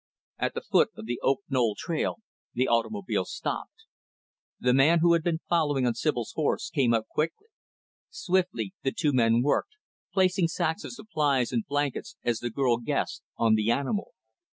At the foot of the Oak Knoll trail the automobile stopped. The man who had been following on Sibyl's horse came up quickly. Swiftly, the two men worked; placing sacks of supplies and blankets as the girl guessed on the animal.